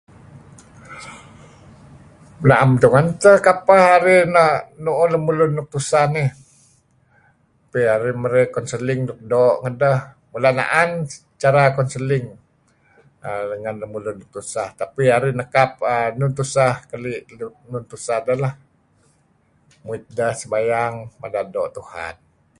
Na'em tungen teh kapeh arih na' nu'uh lun nuk tuseh nih tapi arih merey kaunseling luk doo' ngedeh. Mula' na'an cara kaunseling ngen lemulun tuseh tapi arih nekap enun tuseh keli'...nun tuseh deh leh. Muit deh sebatang mada' doo' Tuhan.